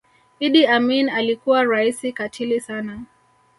idi amin alikuwa raisi katili sana